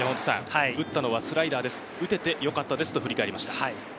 打ったのはスライダーです、打ててよかったですと振り返りました。